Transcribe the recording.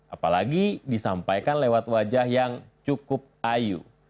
apalagi disampaikan lewat wajah yang cukup ayu